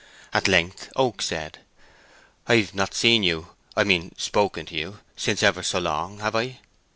At length Oak said, "I've not seen you—I mean spoken to you—since ever so long, have I?"